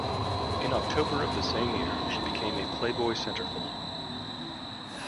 In October of the same year she became a "Playboy" centerfold.